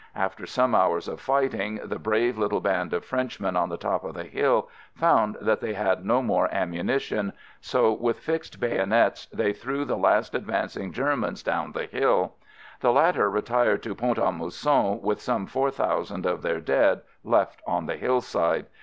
After some hours of fighting, the brave little band of Frenchmen on the top of the hill found that they had no more ammunition, 136 AMERICAN AMBULANCE so with fixed bayonets they threw the last advancing Germans down the hill. The latter retired to Pont a Mousson with some four thousand of their dead left on the hillside.